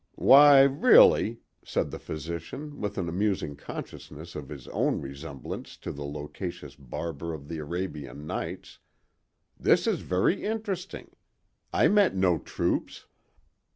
"Why, really," said the physician, with an amusing consciousness of his own resemblance to the loquacious barber of the Arabian Nights, "this is very interesting. I met no troops."